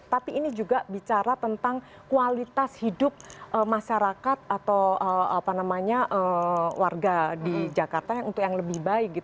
tapi ini juga bicara tentang kualitas hidup masyarakat atau warga di jakarta untuk yang lebih baik